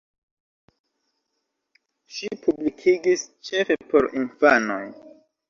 Ŝi publikigis ĉefe por infanoj.